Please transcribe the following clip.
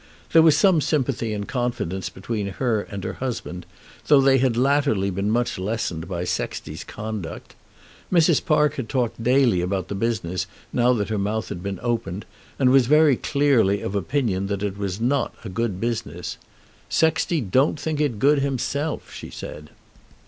There was some sympathy and confidence between her and her husband, though they had latterly been much lessened by Sexty's conduct. Mrs. Parker talked daily about the business now that her mouth had been opened, and was very clearly of opinion that it was not a good business. "Sexty don't think it good himself," she said.